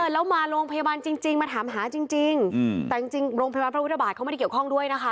แล้วมาโรงพยาบาลจริงมาถามหาจริงแต่จริงโรงพยาบาลพระพุทธบาทเขาไม่ได้เกี่ยวข้องด้วยนะคะ